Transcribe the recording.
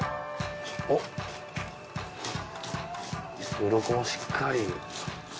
おっウロコもしっかり。